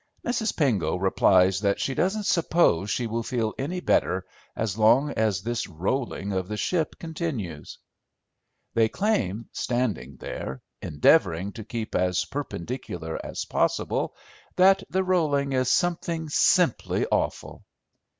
Mrs. Pengo replies that she doesn't suppose she will feel any better as long as this rolling of the ship continues. They claim, standing there, endeavouring to keep as perpendicular as possible, that the rolling is something simply awful.